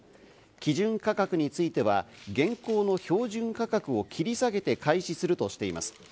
基準価格については現行の標準価格を切り下げて開始するとしています。